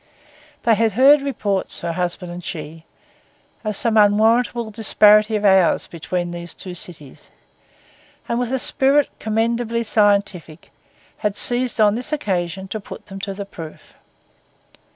They had heard reports, her husband and she, of some unwarrantable disparity of hours between these two cities; and with a spirit commendably scientific, had seized on this occasion to put them to the proof.